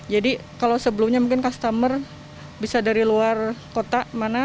jadi kalau sebelumnya mungkin customer bisa dari luar kota